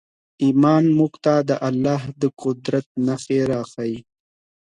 ایمان موږ ته د الله د قدرت نښې راښیي.